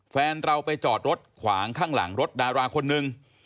แฟนเราไปจอดรถขวางข้างหลังรถดาราคนนึง